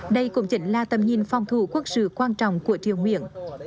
đây cũng chỉnh là tầm nhìn phòng thủ quốc sự quan trọng của triều nguyện